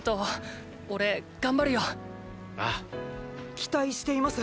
期待しています。